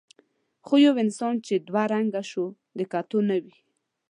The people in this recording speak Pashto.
خو یو انسان چې دوه رنګه شو د کتو نه وي.